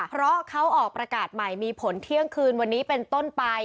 เพราะเขาออกประกาศใหม่มีผลเที่ยงคืนวันนี้เป็นต้นไป